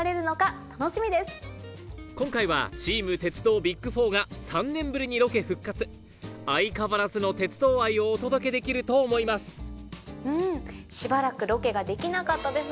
今回はチーム「鉄道ＢＩＧ４」が３年ぶりにロケ復活相変わらずの鉄道愛をお届けできると思いますうん。